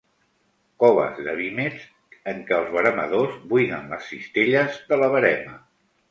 Coves de vímets en què els veremadors buiden les cistelles de la verema.